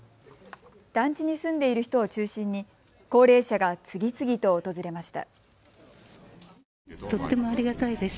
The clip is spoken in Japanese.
団地に住んでいる人を中心に高齢者が次々と訪れました。